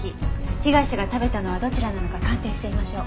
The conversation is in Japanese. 被害者が食べたのはどちらなのか鑑定してみましょう。